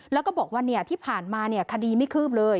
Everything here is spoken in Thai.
แล้วก็บอกว่าที่ผ่านมาคดีไม่คืบเลย